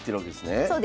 そうです。